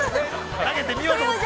◆投げてみようと思って。